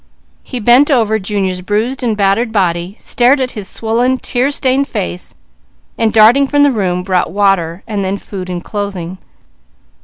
He bent over Junior's bruised and battered body, stared at his swollen, tear stained face, and darting from the room, brought water, and then food and clothing.